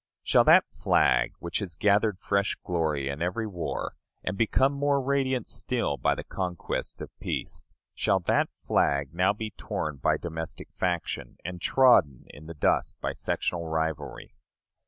Shall that flag, which has gathered fresh glory in every war, and become more radiant still by the conquest of peace shall that flag now be torn by domestic faction, and trodden in the dust by sectional rivalry?